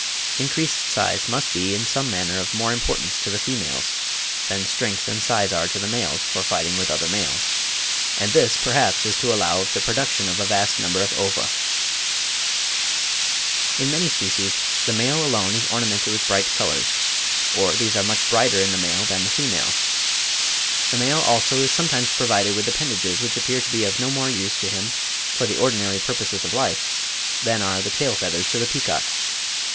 Increased size must be in some manner of more importance to the females, than strength and size are to the males for fighting with other males; and this perhaps is to allow of the production of a vast number of ova. [Fig. 29. Callionymus lyra. Upper figure, male; lower figure, female. N.B. The lower figure is more reduced than the upper.] In many species the male alone is ornamented with bright colours; or these are much brighter in the male than the female. The male, also, is sometimes provided with appendages which appear to be of no more use to him for the ordinary purposes of life, than are the tail feathers to the peacock.